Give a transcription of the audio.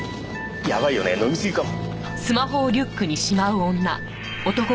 やばいよね飲みすぎかも。